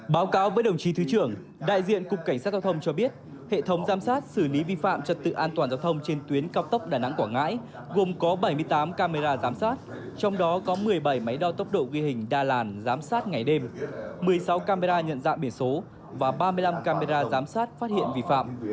báo cáo với đồng chí thứ trưởng đại diện cục cảnh sát giao thông cho biết hệ thống giám sát xử lý vi phạm trật tự an toàn giao thông trên tuyến cao tốc đà nẵng quảng ngãi gồm có bảy mươi tám camera giám sát trong đó có một mươi bảy máy đo tốc độ ghi hình đa làn giám sát ngày đêm một mươi sáu camera nhận dạng biển số và ba mươi năm camera giám sát phát hiện vi phạm